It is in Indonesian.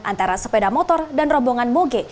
antara sepeda motor dan robongan boge